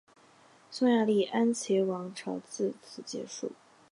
匈牙利安茄王朝自此结束。